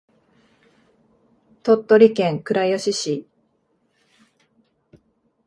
鳥取県倉吉市